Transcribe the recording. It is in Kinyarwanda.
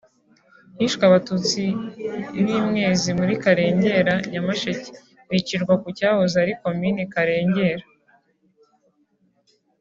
Hishwe Abatutsi b’i Mwezi muri Karengera (Nyamasheke) bicirwa ku cyahoze ari Komine Karengera